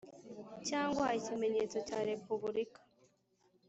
cyangwa ikimenyetso cya Repubulika